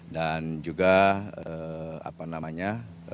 dan juga apa namanya